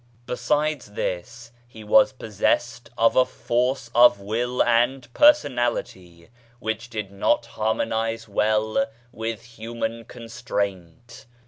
Besides this, he was possessed of a force of will and personality which did not harmonise well with human constraint.